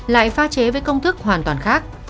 lại pha chế với công thức hoàn toàn khác